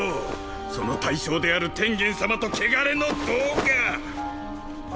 その対象である天元様と汚れの同化！